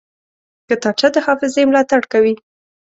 کتابچه د حافظې ملاتړ کوي